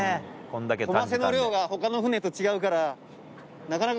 コマセの量が他の船と違うから。